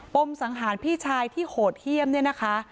มสังหารพี่ชายที่โหดเยี่ยมเนี่ยนะคะ